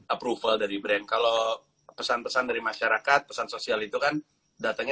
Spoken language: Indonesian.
approval dari brand kalau pesan pesan dari masyarakat pesan sosial itu kan datanya